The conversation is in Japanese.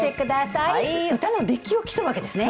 歌の出来を競うわけですね。